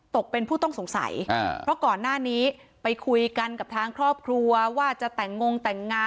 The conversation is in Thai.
ตกเป็นผู้ต้องสงสัยเพราะก่อนหน้านี้ไปคุยกันกับทางครอบครัวว่าจะแต่งงแต่งงาน